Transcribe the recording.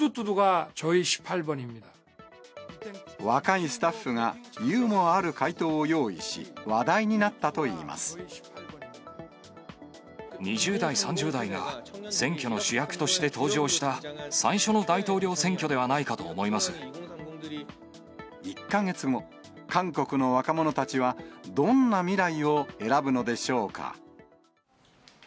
若いスタッフがユーモアある回答を用意し、話題になったといいま２０代、３０代が選挙の主役として登場した最初の大統領選挙ではないかと１か月後、韓国の若者たちはどんな未来を選ぶのでしょうか。